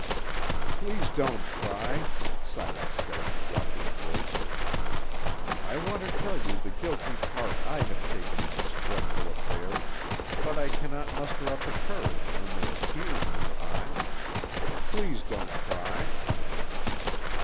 "Please don't cry," Silas said, walking towards her. "I want to tell you the guilty part I have taken in this dreadful affair, but I cannot muster up the courage when there are tears in your eyes. Please don't cry."